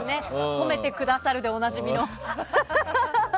褒めてくださるでおなじみの。